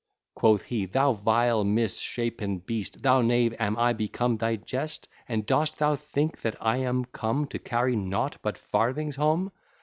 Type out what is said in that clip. Quoth he, "thou vile mis shapen beast, Thou knave, am I become thy jest; And dost thou think that I am come To carry nought but farthings home!